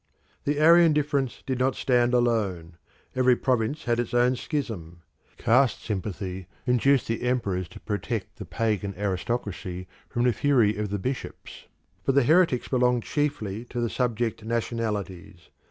The Arian difference did not stand alone; every province had its own schism. Caste sympathy induced the emperors to protect the pagan aristocracy from the fury of the bishops, but the heretics belonged chiefly to the subject nationalities.